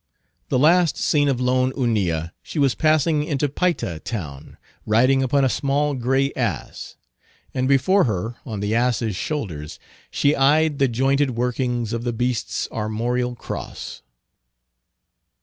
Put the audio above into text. The last seen of lone Hunilla she was passing into Payta town, riding upon a small gray ass; and before her on the ass's shoulders, she eyed the jointed workings of the beast's armorial cross.